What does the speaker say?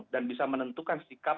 dan bisa menentukan sikap